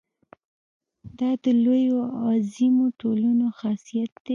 دا د لویو او عظیمو ټولنو خاصیت دی.